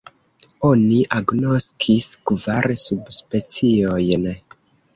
Oni agnoskis kvar subspeciojn.